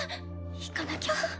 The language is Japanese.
行かなきゃ。